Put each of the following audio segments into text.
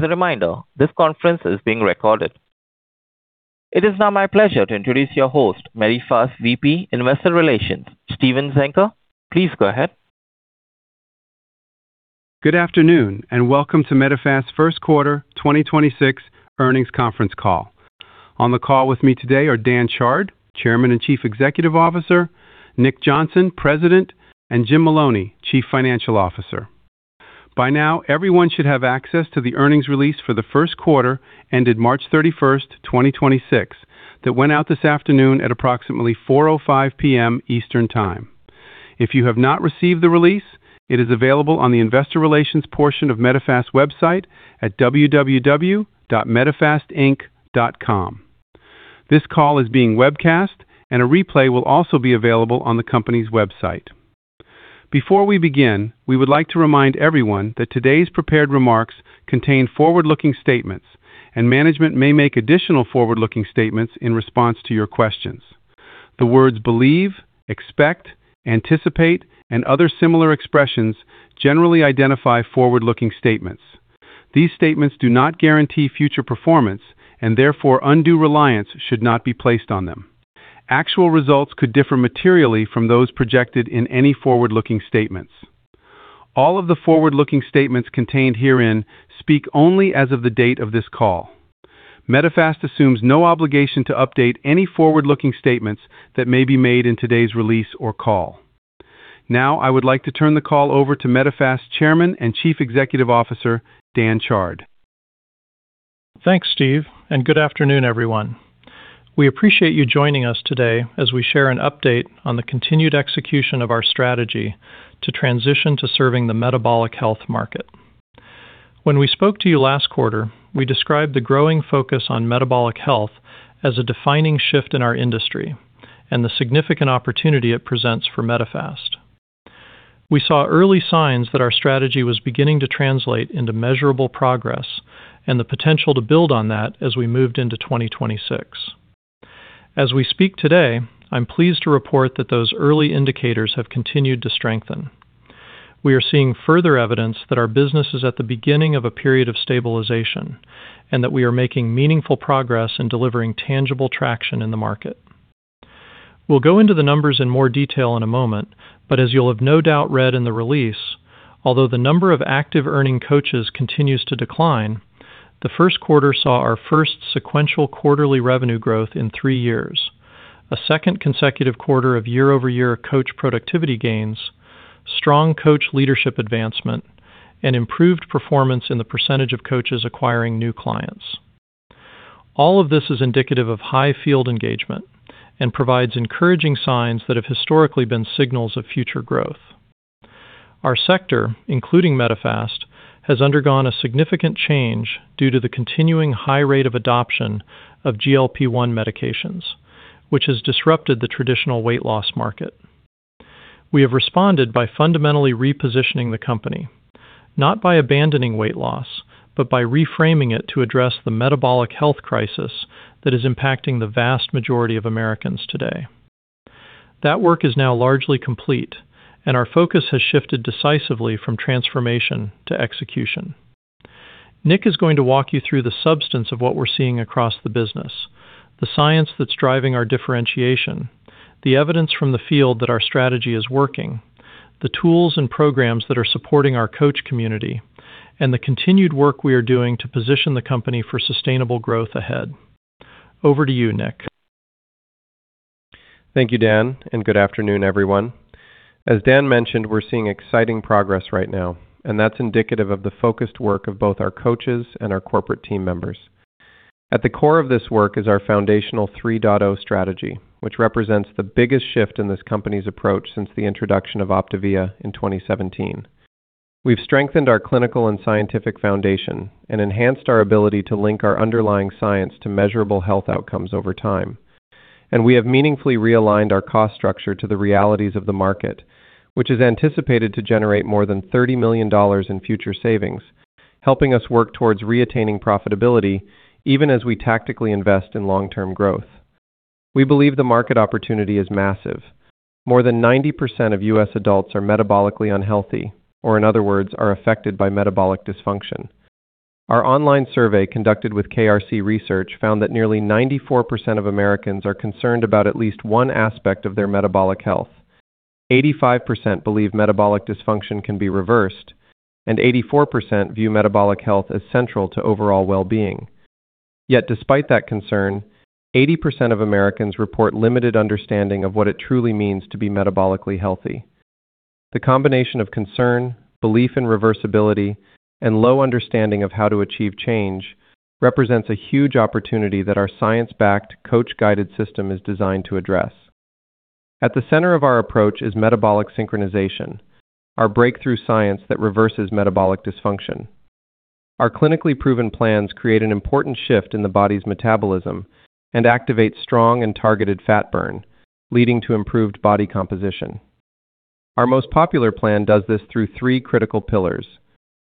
As a reminder, this conference is being recorded. It is now my pleasure to introduce your host, Medifast VP, Investor Relations, Steven Zenker. Please go ahead. Good afternoon, welcome to Medifast's first quarter 2026 earnings conference call. On the call with me today are Dan Chard, Chairman and Chief Executive Officer, Nick Johnson, President, and Jim Maloney, Chief Financial Officer. By now, everyone should have access to the earnings release for the first quarter ended March 31, 2026 that went out this afternoon at approximately 4:05 P.M. Eastern Time. If you have not received the release, it is available on the investor relations portion of Medifast website at www.medifastinc.com. This call is being webcast, and a replay will also be available on the company's website. Before we begin, we would like to remind everyone that today's prepared remarks contain forward-looking statements, and management may make additional forward-looking statements in response to your questions. The words believe, expect, anticipate, and other similar expressions generally identify forward-looking statements. These statements do not guarantee future performance, and therefore, undue reliance should not be placed on them. Actual results could differ materially from those projected in any forward-looking statements. All of the forward-looking statements contained herein speak only as of the date of this call. Medifast assumes no obligation to update any forward-looking statements that may be made in today's release or call. Now, I would like to turn the call over to Medifast Chairman and Chief Executive Officer, Dan Chard. Thanks, Steve, and good afternoon, everyone. We appreciate you joining us today as we share an update on the continued execution of our strategy to transition to serving the metabolic health market. When we spoke to you last quarter, we described the growing focus on metabolic health as a defining shift in our industry and the significant opportunity it presents for Medifast. We saw early signs that our strategy was beginning to translate into measurable progress and the potential to build on that as we moved into 2026. As we speak today, I'm pleased to report that those early indicators have continued to strengthen. We are seeing further evidence that our business is at the beginning of a period of stabilization and that we are making meaningful progress in delivering tangible traction in the market. We'll go into the numbers in more detail in a moment, but as you'll have no doubt read in the release, although the number of active earning coaches continues to decline, the first quarter saw our first sequential quarterly revenue growth in three years, a second consecutive quarter of year-over-year coach productivity gains, strong coach leadership advancement, and improved performance in the percentage of coaches acquiring new clients. All of this is indicative of high field engagement and provides encouraging signs that have historically been signals of future growth. Our sector, including Medifast, has undergone a significant change due to the continuing high rate of adoption of GLP-1 medications, which has disrupted the traditional weight loss market. We have responded by fundamentally repositioning the company, not by abandoning weight loss, but by reframing it to address the metabolic health crisis that is impacting the vast majority of Americans today. That work is now largely complete, and our focus has shifted decisively from transformation to execution. Nick is going to walk you through the substance of what we're seeing across the business, the science that's driving our differentiation, the evidence from the field that our strategy is working, the tools and programs that are supporting our coach community, and the continued work we are doing to position the company for sustainable growth ahead. Over to you, Nick. Thank you, Dan, and good afternoon, everyone. As Dan mentioned, we're seeing exciting progress right now, and that's indicative of the focused work of both our coaches and our corporate team members. At the core of this work is our foundational 3.0 strategy, which represents the biggest shift in this company's approach since the introduction of OPTAVIA in 2017. We've strengthened our clinical and scientific foundation and enhanced our ability to link our underlying science to measurable health outcomes over time. We have meaningfully realigned our cost structure to the realities of the market, which is anticipated to generate more than $30 million in future savings, helping us work towards re-attaining profitability even as we tactically invest in long-term growth. We believe the market opportunity is massive. More than 90% of U.S. adults are metabolically unhealthy, or in other words, are affected by metabolic dysfunction. Our online survey conducted with KRC Research found that nearly 94% of Americans are concerned about at least one aspect of their metabolic health. 85% believe metabolic dysfunction can be reversed, and 84% view metabolic health as central to overall well-being. Yet despite that concern, 80% of Americans report limited understanding of what it truly means to be metabolically healthy. The combination of concern, belief in reversibility, and low understanding of how to achieve change represents a huge opportunity that our science-backed coach-guided system is designed to address. At the center of our approach is Metabolic Synchronization, our breakthrough science that reverses metabolic dysfunction. Our clinically proven plans create an important shift in the body's metabolism and activate strong and targeted fat burn, leading to improved body composition. Our most popular plan does this through three critical pillars.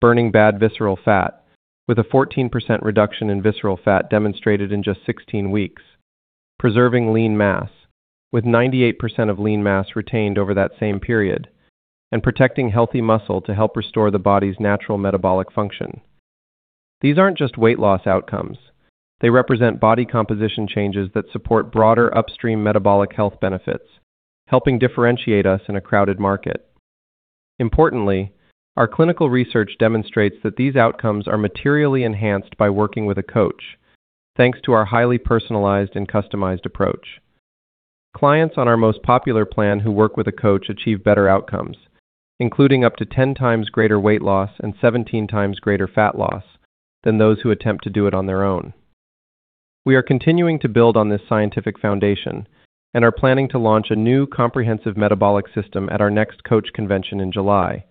Burning bad visceral fat with a 14% reduction in visceral fat demonstrated in just 16 weeks. Preserving lean mass, with 98% of lean mass retained over that same period, and protecting healthy muscle to help restore the body's natural metabolic function. These aren't just weight loss outcomes. They represent body composition changes that support broader upstream metabolic health benefits, helping differentiate us in a crowded market. Importantly, our clinical research demonstrates that these outcomes are materially enhanced by working with a coach, thanks to our highly personalized and customized approach. Clients on our most popular plan who work with a coach achieve better outcomes, including up to 10 times greater weight loss and 17 times greater fat loss than those who attempt to do it on their own. We are continuing to build on this scientific foundation and are planning to launch a new comprehensive metabolic system at our next coach convention in July,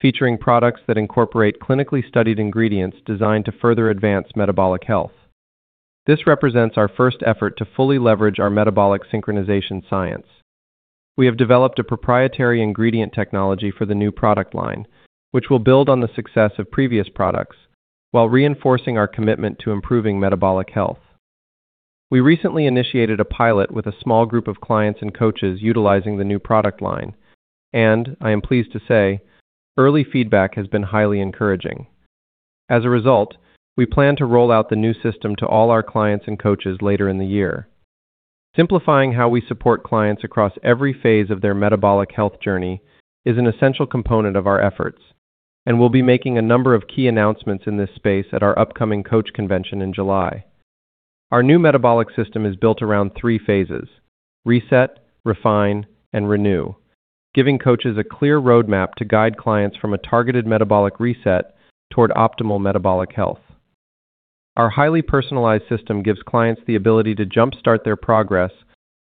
featuring products that incorporate clinically studied ingredients designed to further advance metabolic health. This represents our first effort to fully leverage our Metabolic Synchronization science. We have developed a proprietary ingredient technology for the new product line, which will build on the success of previous products while reinforcing our commitment to improving metabolic health. We recently initiated a pilot with a small group of clients and coaches utilizing the new product line and, I am pleased to say, early feedback has been highly encouraging. As a result, we plan to roll out the new system to all our clients and coaches later in the year. Simplifying how we support clients across every phase of their metabolic health journey is an essential component of our efforts. We'll be making a number of key announcements in this space at our upcoming coach convention in July. Our new metabolic system is built around three phases: reset, refine, and renew, giving coaches a clear roadmap to guide clients from a targeted metabolic reset toward optimal metabolic health. Our highly personalized system gives clients the ability to jumpstart their progress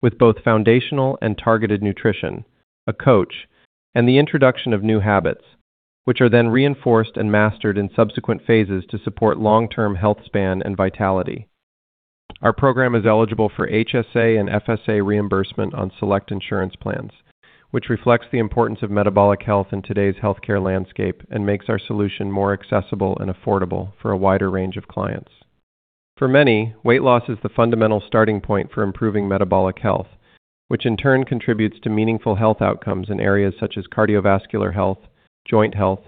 with both foundational and targeted nutrition, a coach, and the introduction of new habits, which are then reinforced and mastered in subsequent phases to support long-term health span and vitality. Our program is eligible for HSA and FSA reimbursement on select insurance plans, which reflects the importance of metabolic health in today's healthcare landscape and makes our solution more accessible and affordable for a wider range of clients. For many, weight loss is the fundamental starting point for improving metabolic health, which in turn contributes to meaningful health outcomes in areas such as cardiovascular health, joint health,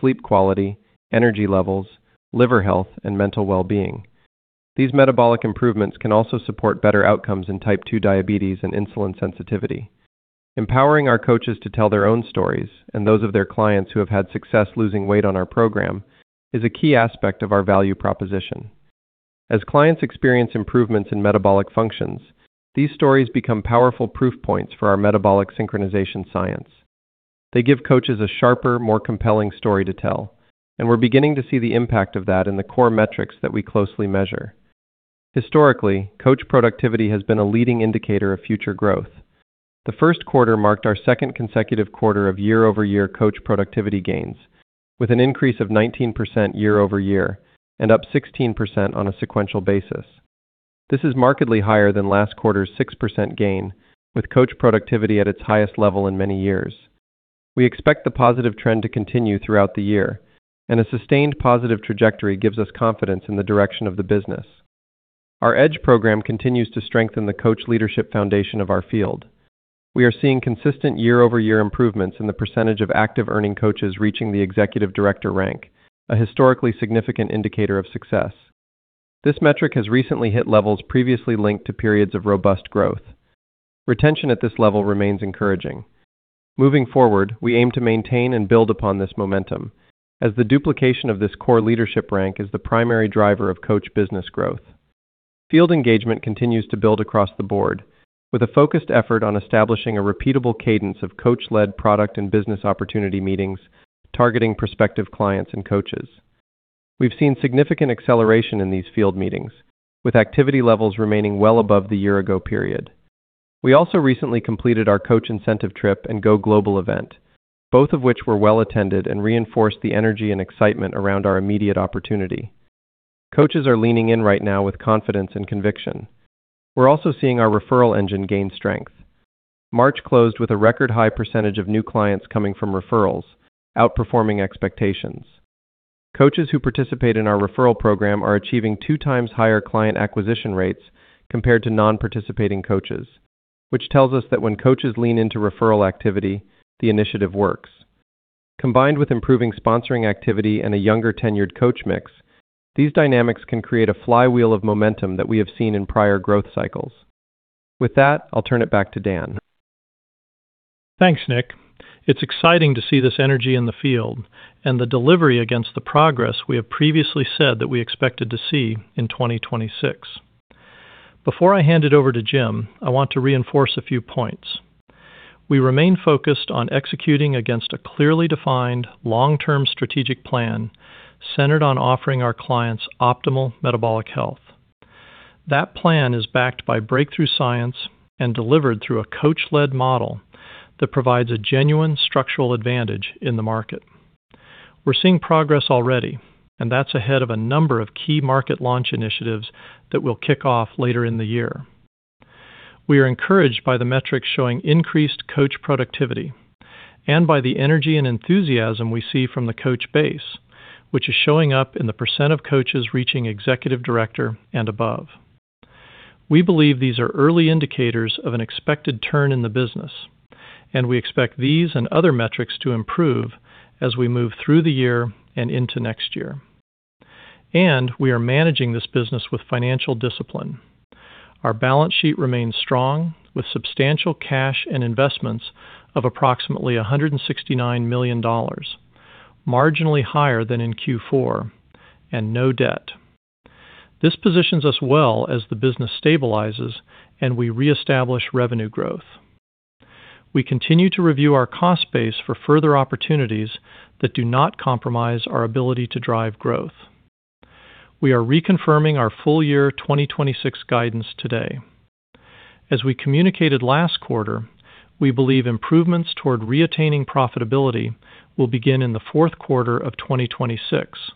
sleep quality, energy levels, liver health, and mental well-being. These metabolic improvements can also support better outcomes in type 2 diabetes and insulin sensitivity. Empowering our coaches to tell their own stories and those of their clients who have had success losing weight on our program is a key aspect of our value proposition. As clients experience improvements in metabolic functions, these stories become powerful proof points for our Metabolic Synchronization science. They give coaches a sharper, more compelling story to tell, and we're beginning to see the impact of that in the core metrics that we closely measure. Historically, coach productivity has been a leading indicator of future growth. The first quarter marked our second consecutive quarter of year-over-year coach productivity gains, with an increase of 19% year-over-year and up 16% on a sequential basis. This is markedly higher than last quarter's 6% gain, with coach productivity at its highest level in many years. We expect the positive trend to continue throughout the year, and a sustained positive trajectory gives us confidence in the direction of the business. Our EDGE program continues to strengthen the coach leadership foundation of our field. We are seeing consistent year-over-year improvements in the percentage of active earning coaches reaching the Executive Director rank, a historically significant indicator of success. This metric has recently hit levels previously linked to periods of robust growth. Retention at this level remains encouraging. Moving forward, we aim to maintain and build upon this momentum as the duplication of this core leadership rank is the primary driver of coach business growth. Field engagement continues to build across the board with a focused effort on establishing a repeatable cadence of coach-led product and business opportunity meetings targeting prospective clients and coaches. We've seen significant acceleration in these field meetings, with activity levels remaining well above the year-ago period. We also recently completed our coach incentive trip and Go Global event, both of which were well-attended and reinforced the energy and excitement around our immediate opportunity. Coaches are leaning in right now with confidence and conviction. We're also seeing our referral engine gain strength. March closed with a record high percentage of new clients coming from referrals, outperforming expectations. Coaches who participate in our referral program are achieving two times higher client acquisition rates compared to non-participating coaches, which tells us that when coaches lean into referral activity, the initiative works. Combined with improving sponsoring activity and a younger tenured coach mix, these dynamics can create a flywheel of momentum that we have seen in prior growth cycles. With that, I'll turn it back to Dan. Thanks, Nick. It's exciting to see this energy in the field and the delivery against the progress we have previously said that we expected to see in 2026. Before I hand it over to Jim, I want to reinforce a few points. We remain focused on executing against a clearly defined long-term strategic plan centered on offering our clients optimal metabolic health. That plan is backed by breakthrough science and delivered through a coach-led model that provides a genuine structural advantage in the market. We're seeing progress already, that's ahead of a number of key market launch initiatives that we'll kick off later in the year. We are encouraged by the metrics showing increased coach productivity. By the energy and enthusiasm we see from the Coach base, which is showing up in the percent of coaches reaching Executive Director and above. We believe these are early indicators of an expected turn in the business, and we expect these and other metrics to improve as we move through the year and into next year. We are managing this business with financial discipline. Our balance sheet remains strong, with substantial cash and investments of approximately $169 million, marginally higher than in Q4, and no debt. This positions us well as the business stabilizes and we reestablish revenue growth. We continue to review our cost base for further opportunities that do not compromise our ability to drive growth. We are reconfirming our full year 2026 guidance today. As we communicated last quarter, we believe improvements toward re-attaining profitability will begin in the fourth quarter of 2026,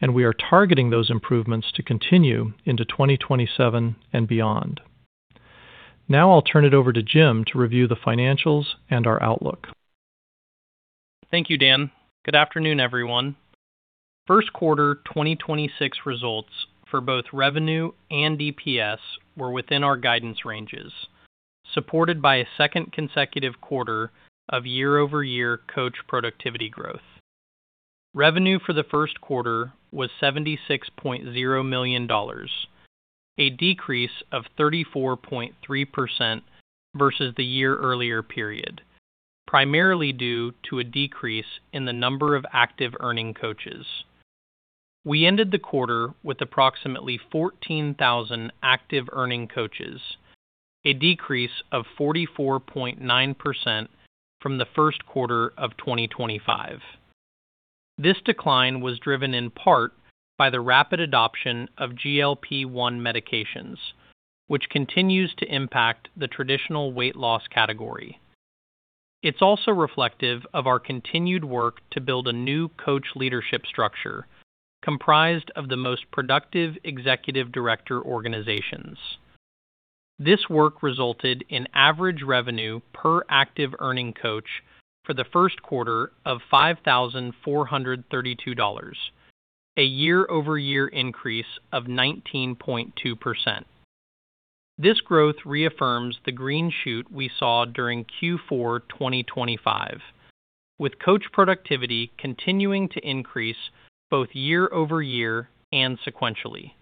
and we are targeting those improvements to continue into 2027 and beyond. Now I'll turn it over to Jim to review the financials and our outlook. Thank you, Dan. Good afternoon, everyone. First quarter 2026 results for both revenue and EPS were within our guidance ranges, supported by a second consecutive quarter of year-over-year coach productivity growth. Revenue for the first quarter was $76.0 million, a decrease of 34.3% versus the year earlier period, primarily due to a decrease in the number of active earning coaches. We ended the quarter with approximately 14,000 active earning coaches, a decrease of 44.9% from the first quarter of 2025. This decline was driven in part by the rapid adoption of GLP-1 medications, which continues to impact the traditional weight loss category. It's also reflective of our continued work to build a new coach leadership structure comprised of the most productive Executive Director organizations. This work resulted in average revenue per active earning coach for the first quarter of $5,432, a year-over-year increase of 19.2%. This growth reaffirms the green shoot we saw during Q4 2025, with coach productivity continuing to increase both year-over-year and sequentially.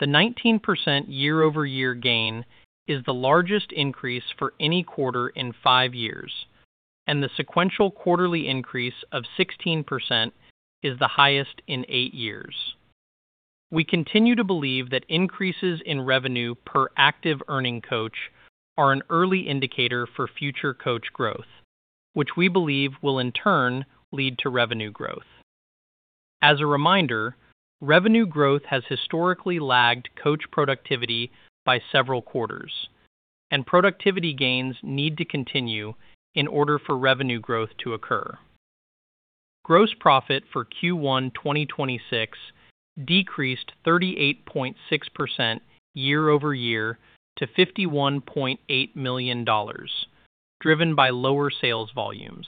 The 19% year-over-year gain is the largest increase for any quarter in five years, and the sequential quarterly increase of 16% is the highest in eight years. We continue to believe that increases in revenue per active earning coach are an early indicator for future coach growth, which we believe will in turn lead to revenue growth. As a reminder, revenue growth has historically lagged coach productivity by several quarters, and productivity gains need to continue in order for revenue growth to occur. Gross profit for Q1 2026 decreased 38.6% year-over-year to $51.8 million driven by lower sales volumes.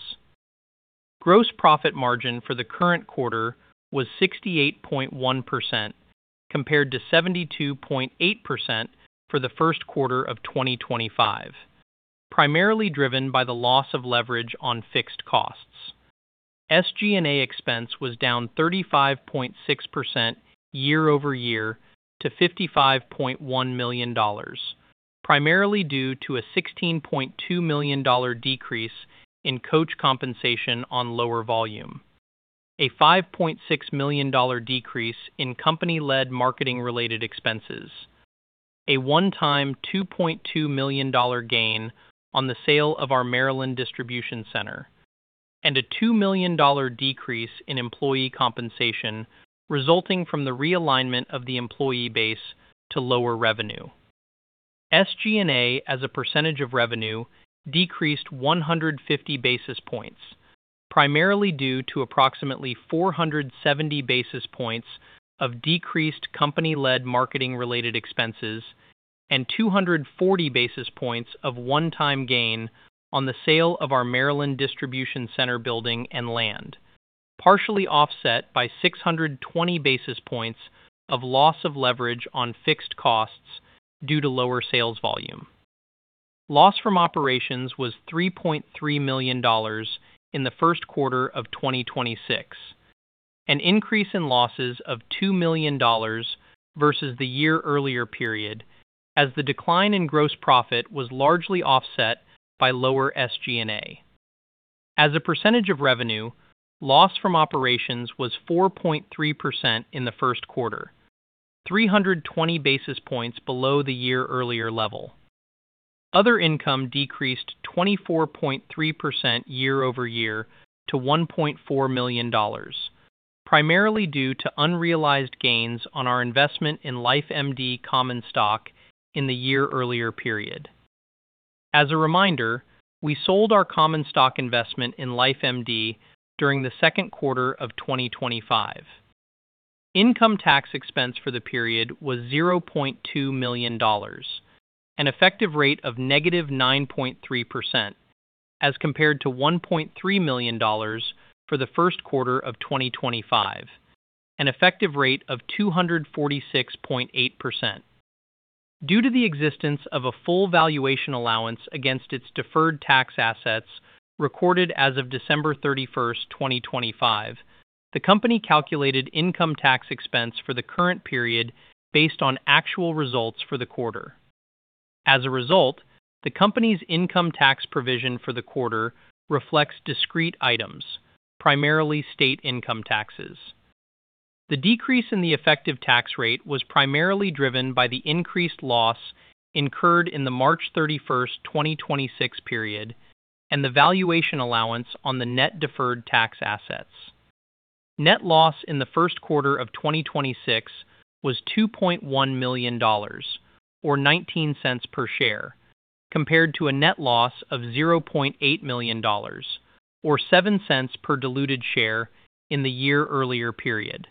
Gross profit margin for the current quarter was 68.1% compared to 72.8% for the first quarter of 2025, primarily driven by the loss of leverage on fixed costs. SG&A expense was down 35.6% year-over-year to $55.1 million, primarily due to a $16.2 million decrease in coach compensation on lower volume, a $5.6 million decrease in company-led marketing related expenses, a one-time $2.2 million gain on the sale of our Maryland distribution center, and a $2 million decrease in employee compensation resulting from the realignment of the employee base to lower revenue. SG&A as a percentage of revenue decreased 150 basis points, primarily due to approximately 470 basis points of decreased company-led marketing related expenses and 240 basis points of one-time gain on the sale of our Maryland distribution center building and land, partially offset by 620 basis points of loss of leverage on fixed costs due to lower sales volume. Loss from operations was $3.3 million in the first quarter of 2026, an increase in losses of $2 million versus the year earlier period as the decline in gross profit was largely offset by lower SG&A. As a percentage of revenue, loss from operations was 4.3% in the first quarter, 320 basis points below the year earlier level. Other income decreased 24.3% year-over-year to $1.4 million, primarily due to unrealized gains on our investment in LifeMD common stock in the year earlier period. As a reminder, we sold our common stock investment in LifeMD during the second quarter of 2025. Income tax expense for the period was $0.2 million, an effective rate of -9.3%, as compared to $1.3 million for the first quarter of 2025, an effective rate of 246.8%. Due to the existence of a full valuation allowance against its deferred tax assets recorded as of December 31st, 2025, the company calculated income tax expense for the current period based on actual results for the quarter. As a result, the company's income tax provision for the quarter reflects discrete items, primarily state income taxes. The decrease in the effective tax rate was primarily driven by the increased loss incurred in the March 31, 2026 period and the valuation allowance on the net deferred tax assets. Net loss in the first quarter of 2026 was $2.1 million, or $0.19 per share, compared to a net loss of $0.8 million, or $0.07 per diluted share in the year earlier period.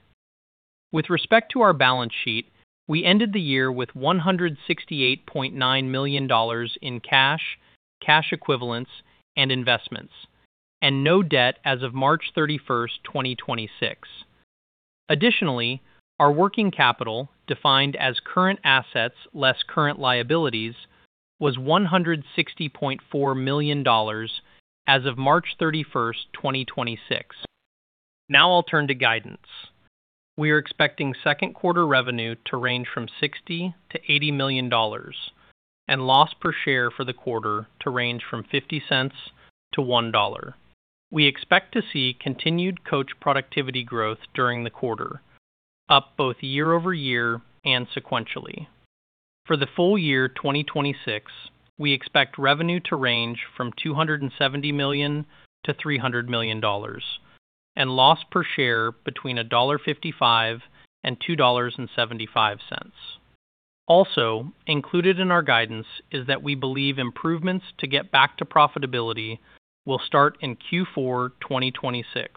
With respect to our balance sheet, we ended the year with $168.9 million in cash equivalents, and investments, and no debt as of March 31, 2026. Additionally, our working capital, defined as current assets less current liabilities, was $160.4 million as of March thirty-first, 2026. Now I'll turn to guidance. We are expecting second quarter revenue to range from $60 million-$80 million and loss per share for the quarter to range from $0.50-$1.00. We expect to see continued coach productivity growth during the quarter, up both year-over-year and sequentially. For the full year 2026, we expect revenue to range from $270 million-$300 million and loss per share between $1.55 and $2.75. Also included in our guidance is that we believe improvements to get back to profitability will start in Q4 2026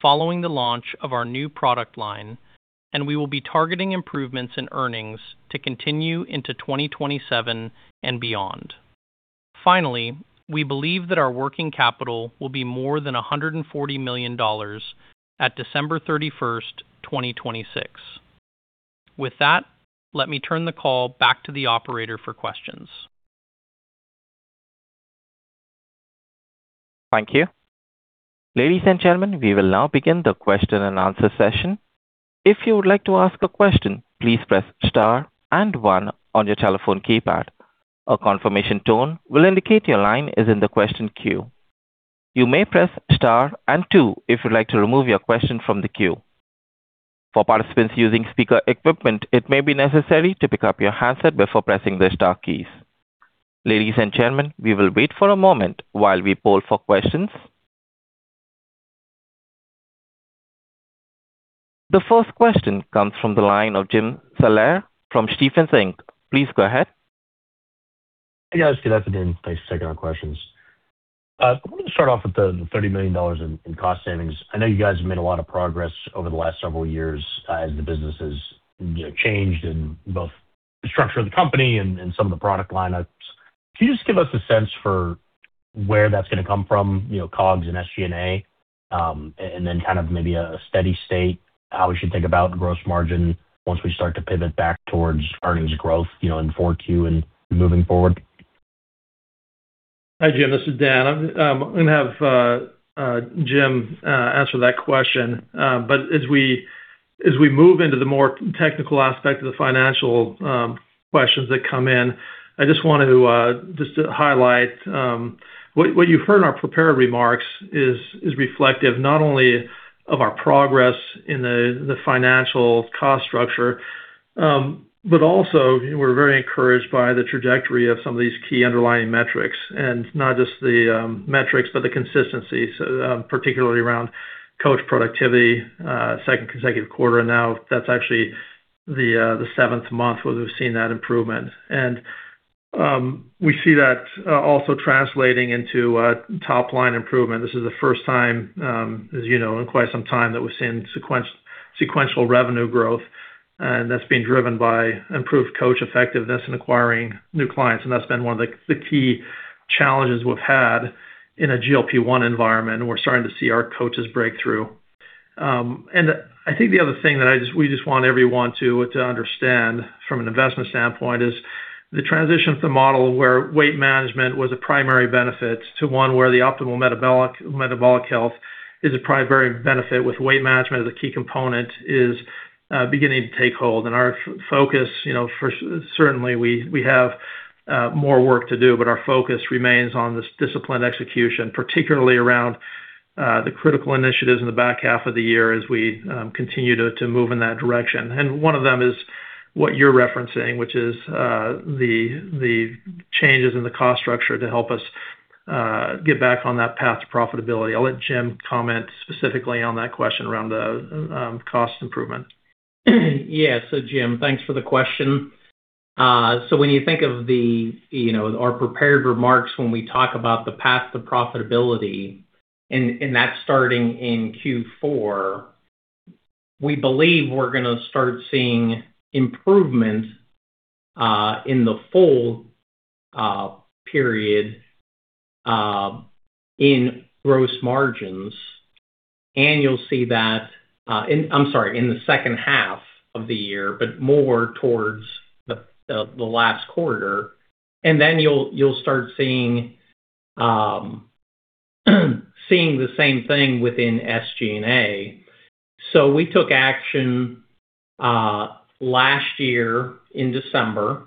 following the launch of our new product line, and we will be targeting improvements in earnings to continue into 2027 and beyond. Finally, we believe that our working capital will be more than $140 million at December 31st, 2026. With that, let me turn the call back to the operator for questions. Thank you. Ladies and gentlemen, we will now begin the question and answer session. If you would like to ask a question, please press star and one on your telephone keypad. A confirmation tone will indicate your line is in the question queue. You may press star and two if you'd like to remove your question from the queue. For participants using speaker equipment, it may be necessary to pick up your handset before pressing the star keys. Ladies and gentlemen, we will wait for a moment while we poll for questions. The first question comes from the line of Jim Salera from Stephens Inc. Please go ahead. Hey, guys. Good afternoon. Thanks for taking our questions. I wanted to start off with the $30 million in cost savings. I know you guys have made a lot of progress over the last several years as the business has, you know, changed in both the structure of the company and some of the product lineups. Can you just give us a sense for where that's gonna come from, you know, COGS and SG&A, and then kind of maybe a steady state, how we should think about gross margin once we start to pivot back towards earnings growth, you know, in 4Q and moving forward? Hi, Jim. This is Dan. I'm gonna have Jim answer that question. As we move into the more technical aspect of the financial questions that come in, I just wanted to highlight what you've heard in our prepared remarks is reflective not only of our progress in the financial cost structure, but also we're very encouraged by the trajectory of some of these key underlying metrics. Not just the metrics, but the consistency, particularly around coach productivity, second consecutive quarter. That's actually the seventh month where we've seen that improvement. We see that also translating into top-line improvement. This is the first time, as you know, in quite some time that we're seeing sequential revenue growth. That's being driven by improved coach effectiveness in acquiring new clients. That's been one of the key challenges we've had in a GLP-1 environment, and we're starting to see our coaches break through. I think the other thing that we just want everyone to understand from an investment standpoint is the transition to model where weight management was a primary benefit to one where the optimal metabolic health is a primary benefit with weight management as a key component is beginning to take hold. Our focus, you know, certainly we have more work to do, but our focus remains on this disciplined execution, particularly around the critical initiatives in the back half of the year as we continue to move in that direction. One of them is what you're referencing, which is the changes in the cost structure to help us get back on that path to profitability. I'll let Jim comment specifically on that question around the cost improvement. Yeah. Jim, thanks for the question. When you think of the, you know, our prepared remarks when we talk about the path to profitability and that starting in Q4, we believe we're gonna start seeing improvement in the full period in gross margins. You'll see that, I'm sorry, in the second half of the year, but more towards the last quarter. You'll start seeing the same thing within SG&A. We took action last year in December,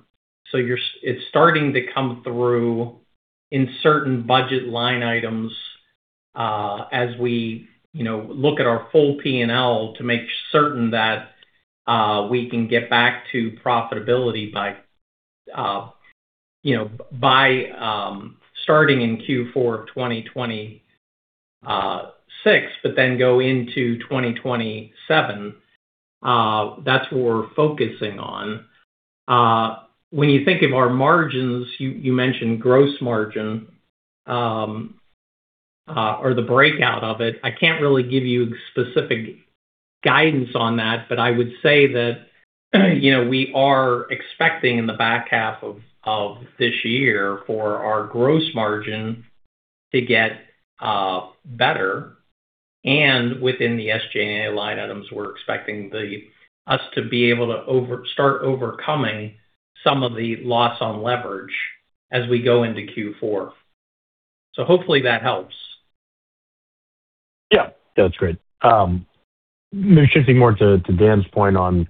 it's starting to come through in certain budget line items, as we, you know, look at our full P&L to make certain that we can get back to profitability by, you know, by starting in Q4 of 2026, go into 2027. That's what we're focusing on. When you think of our margins, you mentioned gross margin or the breakout of it. I can't really give you specific guidance on that. I would say that, you know, we are expecting in the back half of this year for our gross margin to get better. Within the SG&A line items, we're expecting us to be able to start overcoming some of the loss on leverage as we go into Q4. Hopefully that helps. Yeah, that's great. Maybe shifting more to Dan's point on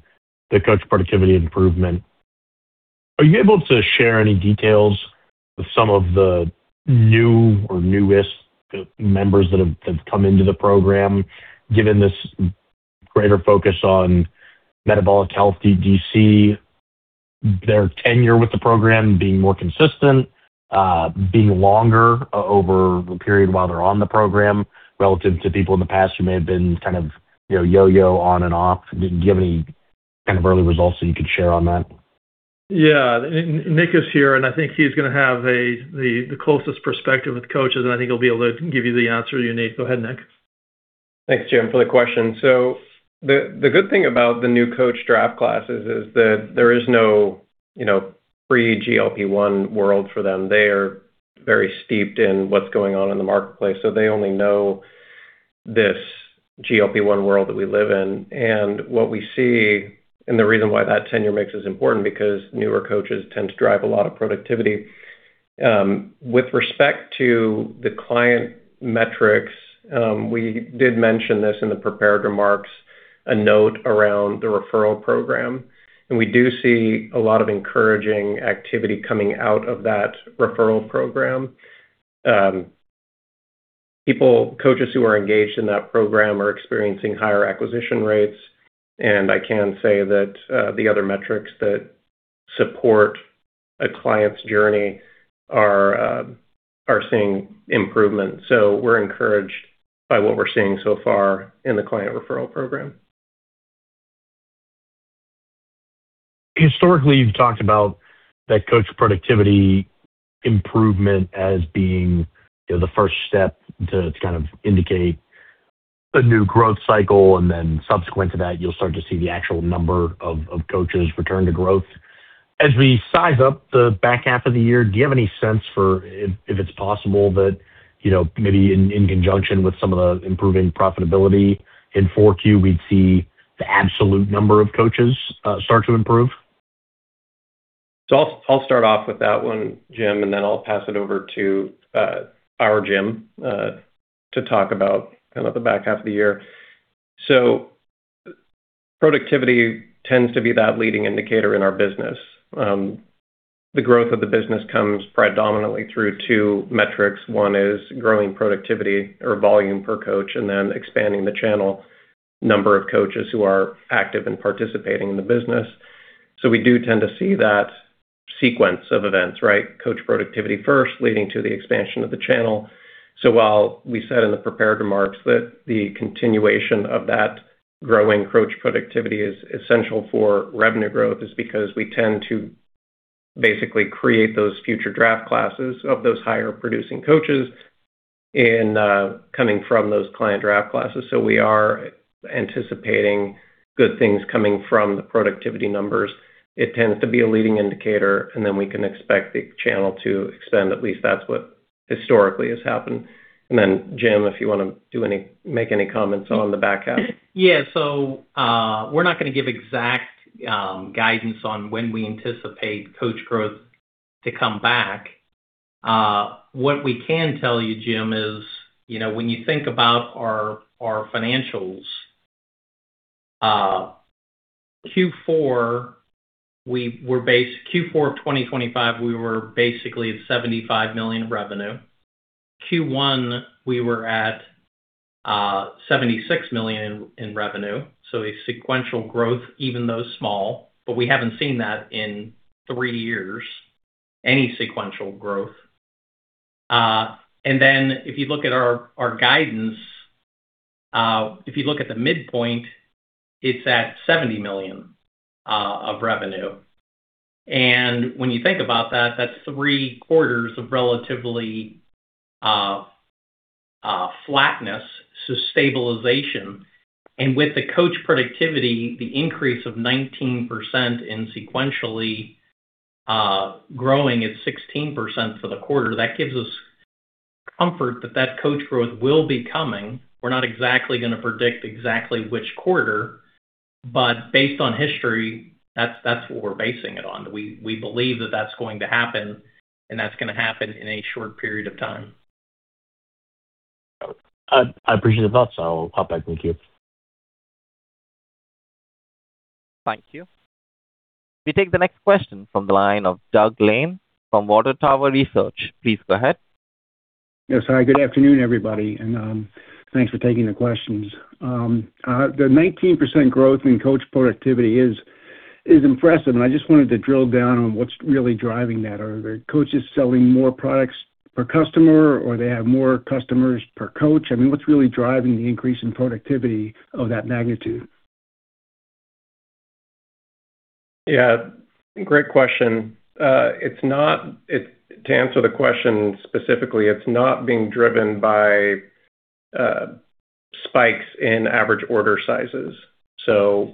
the coach productivity improvement. Are you able to share any details of some of the new or newest members that have come into the program, given this greater focus on metabolic health, do you see their tenure with the program being more consistent, being longer over the period while they're on the program relative to people in the past who may have been kind of, you know, yo-yo on and off? Do you have any kind of early results that you could share on that? Yeah. Nick is here, and I think he's gonna have the closest perspective with coaches, and I think he'll be able to give you the answer you need. Go ahead, Nick. Thanks, Jim, for the question. The good thing about the new coach draft classes is that there is no, you know, pre-GLP-1 world for them. They are very steeped in what's going on in the marketplace, so they only know this GLP-1 world that we live in. What we see, and the reason why that tenure mix is important, because newer coaches tend to drive a lot of productivity. With respect to the client metrics, we did mention this in the prepared remarks, a note around the referral program, and we do see a lot of encouraging activity coming out of that referral program. People, coaches who are engaged in that program are experiencing higher acquisition rates, and I can say that the other metrics that support a client's journey are seeing improvement. We're encouraged by what we're seeing so far in the client referral program. Historically, you've talked about that coach productivity improvement as being, you know, the first step to kind of indicate a new growth cycle, and then subsequent to that, you'll start to see the actual number of coaches return to growth. As we size up the back half of the year, do you have any sense for if it's possible that, you know, maybe in conjunction with some of the improving profitability in 4Q, we'd see the absolute number of coaches start to improve? I'll start off with that one, Jim, and then I'll pass it over to our Jim to talk about kind of the back half of the year. Productivity tends to be that leading indicator in our business. The growth of the business comes predominantly through 2 metrics. One is growing productivity or volume per coach, and then expanding the channel number of coaches who are active and participating in the business. We do tend to see that sequence of events, right? Coach productivity first, leading to the expansion of the channel. While we said in the prepared remarks that the continuation of that growing coach productivity is essential for revenue growth is because we tend to basically create those future draft classes of those higher producing coaches in coming from those client draft classes. We are anticipating good things coming from the productivity numbers. It tends to be a leading indicator, then we can expect the channel to expand, at least that's what historically has happened. Then, Jim, if you wanna make any comments on the back half. We're not gonna give exact guidance on when we anticipate coach growth to come back. What we can tell you, Jim, is, you know, when you think about our financials, Q4, we were Q4 of 2025, we were basically at $75 million revenue. Q1, we were at $76 million in revenue. A sequential growth, even though small, but we haven't seen that in three years, any sequential growth. If you look at our guidance, if you look at the midpoint, it's at $70 million of revenue. When you think about that's three-quarters of relatively flatness. Stabilization. With the coach productivity, the increase of 19% and sequentially growing at 16% for the quarter, that gives us comfort that coach growth will be coming. We're not exactly gonna predict exactly which quarter, but based on history, that's what we're basing it on. We believe that that's going to happen, and that's gonna happen in a short period of time. I appreciate the thoughts. I'll hop back. Thank you. Thank you. We take the next question from the line of Doug Lane from Water Tower Research. Please go ahead. Yes. Hi, good afternoon, everybody, thanks for taking the questions. The 19% growth in coach productivity is impressive. I just wanted to drill down on what's really driving that. Are there coaches selling more products per customer or they have more customers per coach? I mean, what's really driving the increase in productivity of that magnitude? Yeah, great question. To answer the question specifically, it's not being driven by spikes in average order sizes.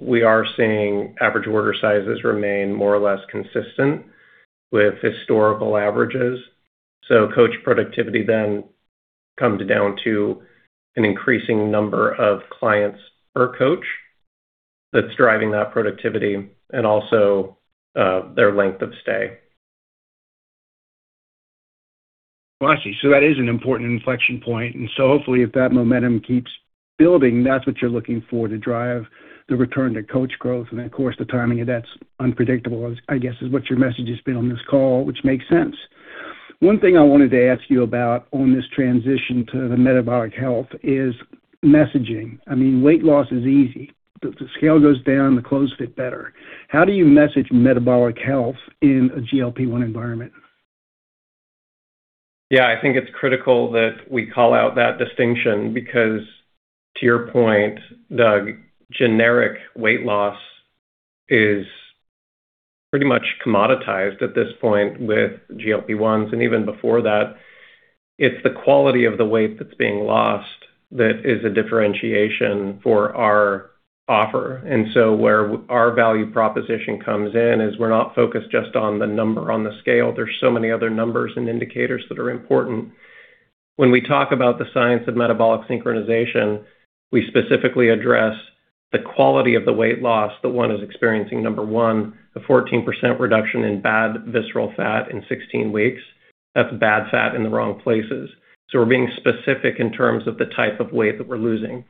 We are seeing average order sizes remain more or less consistent with historical averages. Coach productivity then comes down to an increasing number of clients per coach that's driving that productivity and also their length of stay. Got you. That is an important inflection point, hopefully if that momentum keeps building, that's what you're looking for to drive the return to coach growth. Of course, the timing of that's unpredictable, I guess, is what your message has been on this call, which makes sense. One thing I wanted to ask you about on this transition to the metabolic health is messaging. I mean, weight loss is easy. The scale goes down, the clothes fit better. How do you message metabolic health in a GLP-1 environment? Yeah, I think it's critical that we call out that distinction because to your point, Doug, generic weight loss is pretty much commoditized at this point with GLP-1s and even before that. It's the quality of the weight that's being lost that is a differentiation for our offer. Where our value proposition comes in is we're not focused just on the number on the scale. There's so many other numbers and indicators that are important. When we talk about the science of Metabolic Synchronization, we specifically address the quality of the weight loss that one is experiencing. Number one, a 14% reduction in bad visceral fat in 16 weeks. That's bad fat in the wrong places. We're being specific in terms of the type of weight that we're losing.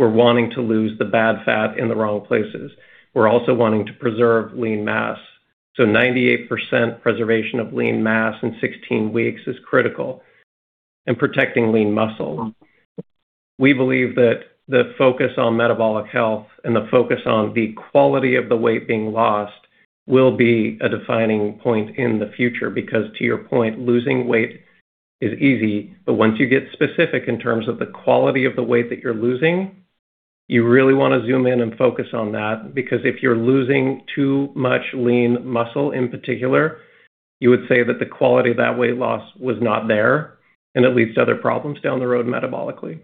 We're wanting to lose the bad fat in the wrong places. We're also wanting to preserve lean mass. 98% preservation of lean mass in 16 weeks is critical in protecting lean muscle. We believe that the focus on metabolic health and the focus on the quality of the weight being lost will be a defining point in the future. To your point, losing weight is easy, but once you get specific in terms of the quality of the weight that you're losing, you really want to zoom in and focus on that. If you're losing too much lean muscle in particular, you would say that the quality of that weight loss was not there, and it leads to other problems down the road metabolically.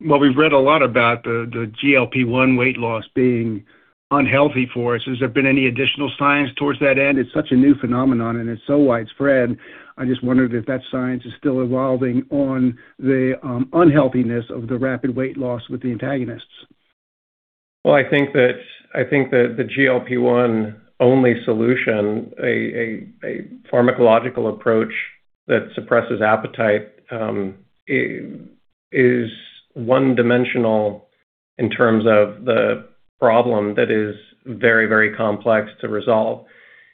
Well, we've read a lot about the GLP-1 weight loss being unhealthy for us. Has there been any additional science towards that end? It's such a new phenomenon, and it's so widespread. I just wondered if that science is still evolving on the unhealthiness of the rapid weight loss with the antagonists. Well, I think that the GLP-1 only solution, a pharmacological approach that suppresses appetite, is one-dimensional in terms of the problem that is very, very complex to resolve.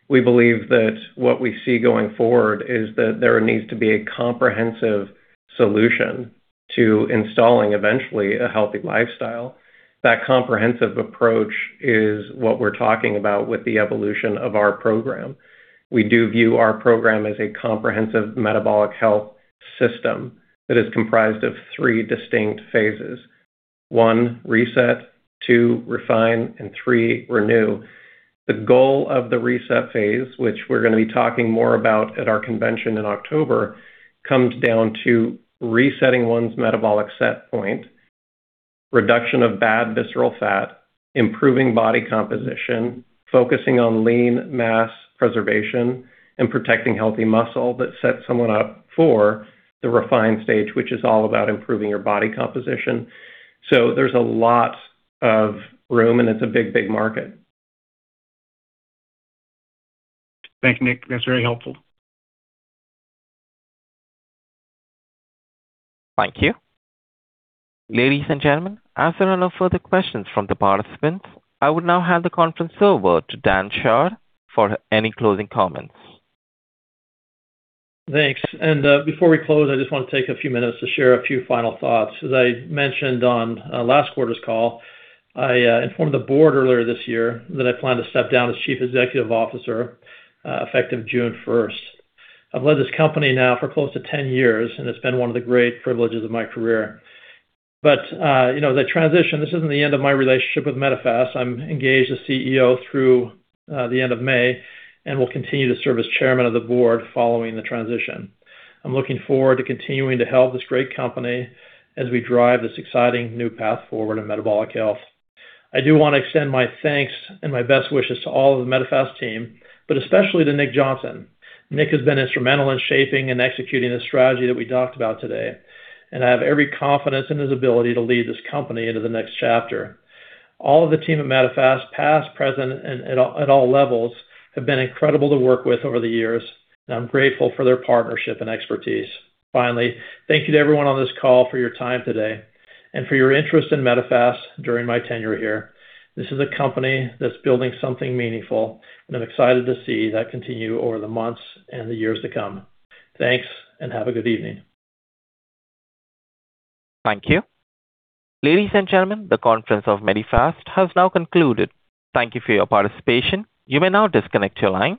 We believe that what we see going forward is that there needs to be a comprehensive solution to installing eventually a healthy lifestyle. That comprehensive approach is what we're talking about with the evolution of our program. We do view our program as a comprehensive metabolic health system that is comprised of three distinct phases. One, reset, two, refine, and three, renew. The goal of the reset phase, which we're gonna be talking more about at our convention in October, comes down to resetting one's metabolic set point, reduction of bad visceral fat, improving body composition, focusing on lean mass preservation, and protecting healthy muscle that sets someone up for the refine stage, which is all about improving your body composition. There's a lot of room, and it's a big, big market. Thank you, Nick. That's very helpful. Thank you. Ladies and gentlemen, as there are no further questions from the participants, I would now hand the conference over to Dan Chard for any closing comments. Thanks. Before we close, I just want to take a few minutes to share a few final thoughts. As I mentioned on last quarter's call, I informed the board earlier this year that I plan to step down as Chief Executive Officer, effective June first. I've led this company now for close to 10 years, and it's been one of the great privileges of my career. You know, the transition, this isn't the end of my relationship with Medifast. I'm engaged as CEO through the end of May and will continue to serve as Chairman of the Board following the transition. I'm looking forward to continuing to help this great company as we drive this exciting new path forward in metabolic health. I do want to extend my thanks and my best wishes to all of the Medifast team, but especially to Nick Johnson. Nick has been instrumental in shaping and executing the strategy that we talked about today, and I have every confidence in his ability to lead this company into the next chapter. All of the team at Medifast, past, present, and at all levels, have been incredible to work with over the years. I'm grateful for their partnership and expertise. Finally, thank you to everyone on this call for your time today and for your interest in Medifast during my tenure here. This is a company that's building something meaningful, and I'm excited to see that continue over the months and the years to come. Thanks, and have a good evening. Thank you. Ladies and gentlemen, the conference of Medifast has now concluded. Thank you for your participation. You may now disconnect your line.